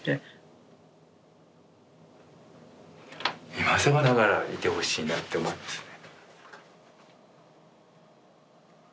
今更ながらいてほしいなって思いますね。